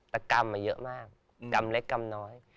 แต่กรรมเยอะมากกรรมเล็กกำน้อย